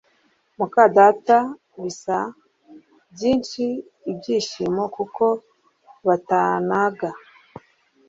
muka data bisa byinshi ibyishimo kuko batanaga